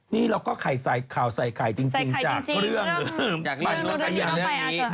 นี่นาวยังงี้เลยอ่ะงึง